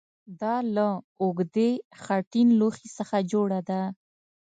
دا له اوږدې خټین لوښي څخه جوړه ده